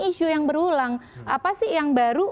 isu yang berulang apa sih yang baru